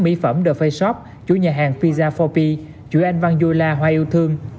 mỹ phẩm the face shop chuỗi nhà hàng pizza bốn p chuỗi anh văn duy la hoa yêu thương